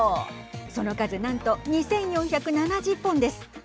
その数なんと２４７０本です。